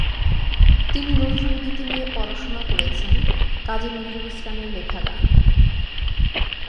তিনি নজরুল গীতি নিয়ে পড়াশোনা করেছেন, কাজী নজরুল ইসলামের লেখা গান।